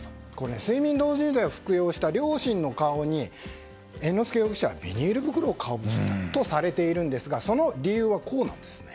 睡眠導入剤を服用した両親の顔に猿之助容疑者がビニール袋をかぶせたとされているんですがその理由はこうなんですね。